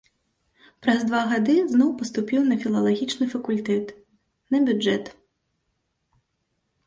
Праз два гады зноў паступіў на філалагічным факультэт, на бюджэт.